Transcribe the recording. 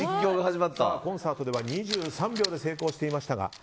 コンサートでは２３秒で成功していましたが。